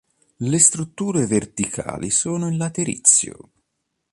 Le strutture verticali sono in laterizio.